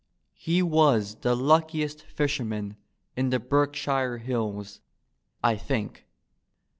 He was the luckiest fi^erman in the Berkshire hilb, I think.